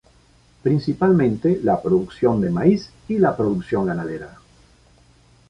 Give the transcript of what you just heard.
Principalmente la producción de maíz y la producción ganadera.